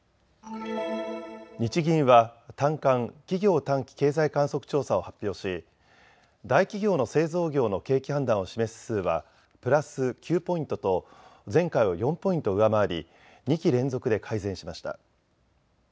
日銀は短観・企業短期経済観測調査を発表し大企業の製造業の景気判断を示す指数はプラス９ポイントと前回を４ポイント上回り２期連続で改善しました。